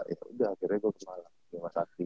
ya udah akhirnya gua ke malang di masakti